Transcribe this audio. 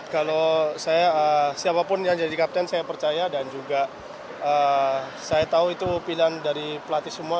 kalau saya siapapun yang jadi kapten saya percaya dan juga saya tahu itu pilihan dari pelatih semua